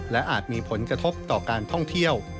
และอาจมีผลกระทบต่อการท่องเที่ยว